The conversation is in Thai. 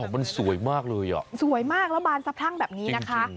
มันสวยมากเลยสวยมากแล้วบานซับท่างแบบนี้นะคะ